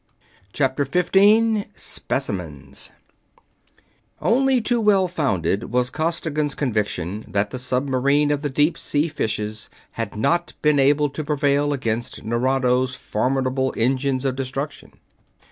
CHAPTER 15 SPECIMENS Only too well founded was Costigan's conviction that the submarine of the deep sea fishes had not been able to prevail against Nerado's formidable engines of destruction.